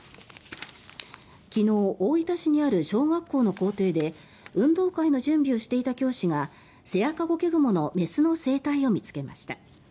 昨日、大分市にある小学校の校庭で運動会の準備をしていた教師がセアカゴケグモの雌の成体を見つけました。